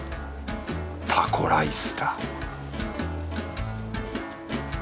タコライスだ